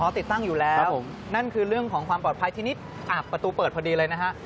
ติดตั้งอยู่แล้วนั่นคือเรื่องของความปลอดภัยทีนี้ประตูเปิดพอดีเลยนะฮะ